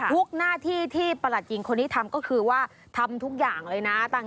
หน้าที่ที่ประหลัดหญิงคนนี้ทำก็คือว่าทำทุกอย่างเลยนะ